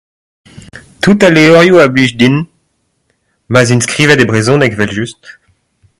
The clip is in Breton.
Tout al levrioù a blij din ma'z int skrivet e brezhoneg evel-just.